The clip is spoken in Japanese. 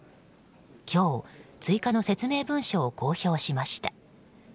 今日、追加の説明文書を公表しました。